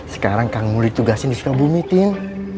sekarang kamu ditugasin di sekabumi tintin